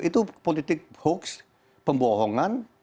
itu politik hoax pembohongan